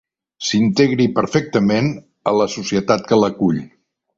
S'integri perfectament a la societat que l'acull.